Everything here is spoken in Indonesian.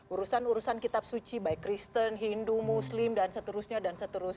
urusan urusan kitab suci baik kristen hindu muslim dan seterusnya dan seterusnya